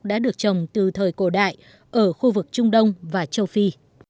đã được trồng từ thời cổ đại ở khu vực trung đông và châu phi